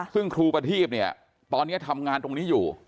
ซึ่งครูประทีพเนี่ยตอนนี้ทำงานตรงนี้อยู่